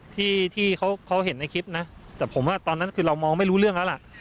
ที่เขาเห็นในคลิปนะแต่ผมว่าตอนนั้นคือเรามองไม่รู้เรื่องแล้วล่ะ